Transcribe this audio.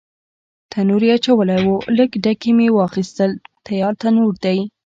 تنور یې اچولی و، لږ ډکي مې واخیستل، تیار تنور دی.